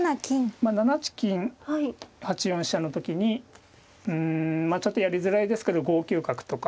まあ７八金８四飛車の時にうんちょっとやりづらいですけど５九角とか。